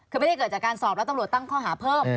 คือไม่ได้เกิดจากการสอบแล้วตำรวจตั้งข้อหาเพิ่ม